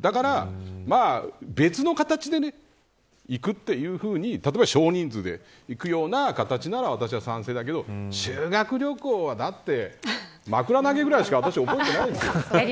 だから別の形で行くというふうに例えば少人数で行くような形なら私は賛成だけど修学旅行は、だって枕投げくらいしか私、覚えてないですよ。